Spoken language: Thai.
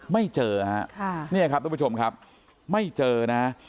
ไม่เจอฮะเนี่ยครับทุกผู้ชมครับไม่เจอนะ